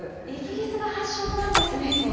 イギリスが発祥なんですね。